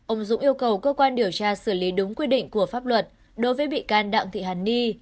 ông dũng yêu cầu cơ quan điều tra xử lý đúng quy định của pháp luật đối với bị can đặng thị hàn ni